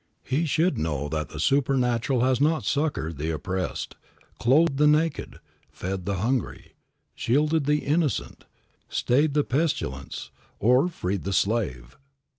He should know that the supernatural has not succored the oppressed, clothed the naked, fed the hungry, shielded the innocent, stayed the pestilence, or freed the slave.